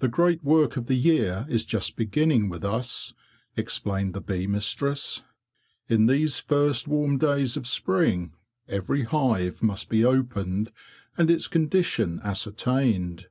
'The great work of the year is just beginning with us,'? explained the bee mistress. ''In these first warm days of spring every hive must be opened and its condition ascertained.